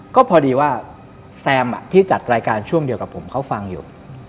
ก็พอดีว่าแซมที่จัดรายการช่วงเดียวกับผมเขาฟังอยู่